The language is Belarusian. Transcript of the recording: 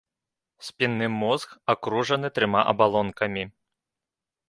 Спінны мозг акружаны трыма абалонкамі.